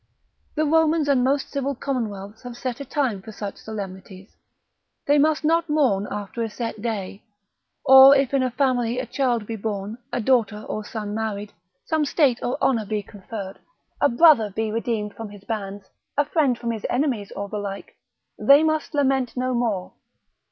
The Romans and most civil commonwealths have set a time to such solemnities, they must not mourn after a set day, or if in a family a child be born, a daughter or son married, some state or honour be conferred, a brother be redeemed from his bands, a friend from his enemies, or the like, they must lament no more.